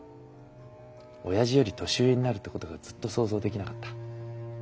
おやじより年上になるってことがずっと想像できなかった。